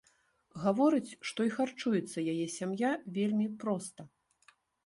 Гаворыць, што і харчуецца яе сям'я вельмі проста.